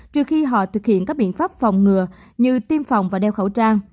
trừ khi họ thực hiện các biện pháp phòng ngừa như tiêm phòng và đeo khẩu trang